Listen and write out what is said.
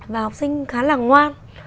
và học sinh khá là ngoan